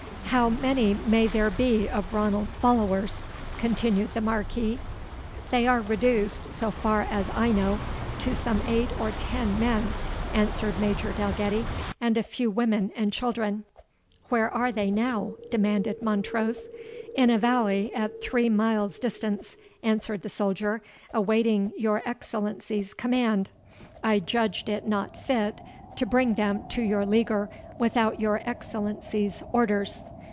"How many may there be of Ranald's followers?" continued the Marquis. "They are reduced, so far as I know, to some eight or ten men," answered Major Dalgetty, "and a few women and children." "Where are they now?" demanded Montrose. "In a valley, at three miles' distance," answered the soldier, "awaiting your Excellency's command; I judged it not fit to bring them to your leaguer without your Excellency's orders."